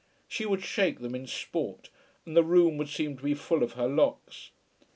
She would shake them in sport, and the room would seem to be full of her locks.